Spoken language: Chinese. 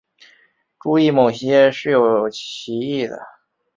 注意某些是有歧义的。